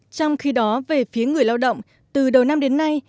trong khi đó về phía người lao động từ đầu năm đến nay